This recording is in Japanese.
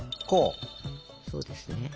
こうですね。